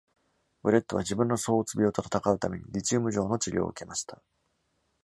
Brett は自分の躁鬱病と戦うためにリチウム錠の治療を受けました。